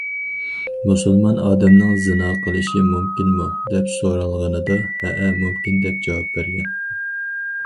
مۇسۇلمان ئادەمنىڭ زىنا قىلىشى مۇمكىنمۇ؟ دەپ سورالغىنىدا، ھەئە، مۇمكىن دەپ جاۋاب بەرگەن.